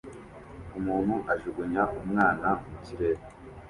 Umuntu ajugunya umwana mu kirere